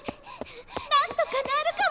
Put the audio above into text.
なんとかなるかも！